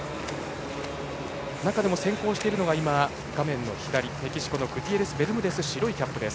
中でも先行しているのがメキシコのグティエレスベルムデス白いキャップです。